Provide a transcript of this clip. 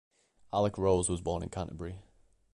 Alec Rose was born in Canterbury.